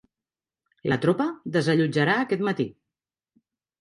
La tropa desallotjarà aquest matí.